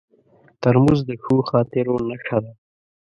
ترموز د ښو خاطرو نښه ده.